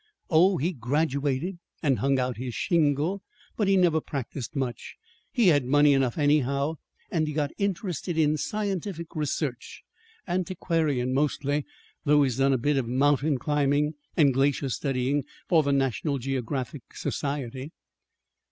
Oh, he graduated and hung out his shingle; but he never practiced much. He had money enough, anyway, and he got interested in scientific research antiquarian, mostly, though he's done a bit of mountain climbing and glacier studying for the National Geographic Society."